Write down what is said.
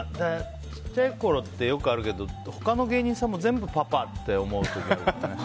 小さいころって、よくあるけど他の芸人さんも全部パパって思うっていう。